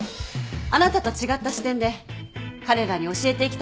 あなたと違った視点で彼らに教えていきたいことがあるんです。